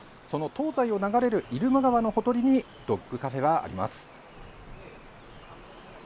その東西を流れる入間川のほとりにドッグカフェはあります。